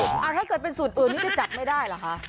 ถ้าเกิดเป็นสูตรอื่นนี่จะจัดไม่ได้เหรอคะ